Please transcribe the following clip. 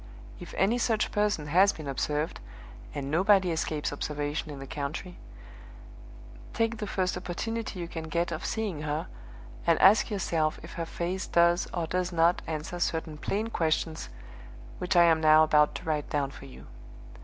If any such person has been observed (and nobody escapes observation in the country), take the first opportunity you can get of seeing her, and ask yourself if her face does or does not answer certain plain questions which I am now about to write down for you.